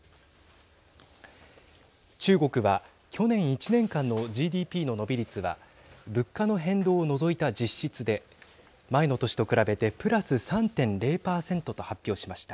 中国は去年１年間のＧＤＰの伸び率は物価の変動を除いた実質で前の年と比べてプラス３．０％と発表しました。